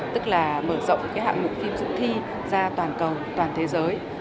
tức là mở rộng hạng mục phim dụ thi ra toàn cầu toàn thế giới